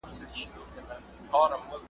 نه طبیب نه عزراییل مو خواته راغی .